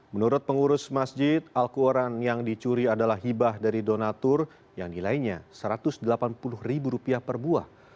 menurut pengurus masjid al quran yang dicuri adalah hibah dari donatur yang nilainya satu ratus delapan puluh ribu rupiah per buah